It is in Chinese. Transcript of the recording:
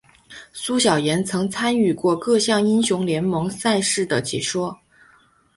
苏小妍曾参与过各项英雄联盟赛事的解说。